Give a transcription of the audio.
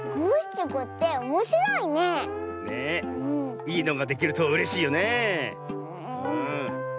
いいのができるとうれしいよねえ。